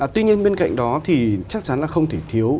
tuy nhiên bên cạnh đó thì chắc chắn là không thể thiếu